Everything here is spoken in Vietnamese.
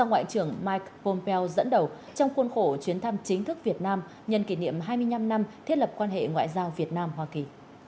ngoại trưởng mike pompeo dẫn đầu trong khuôn khổ chuyến thăm chính thức việt nam nhân kỷ niệm hai mươi năm năm thiết lập quan hệ ngoại giao việt nam hoa kỳ